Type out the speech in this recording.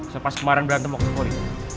setelah kemarin berantem okspori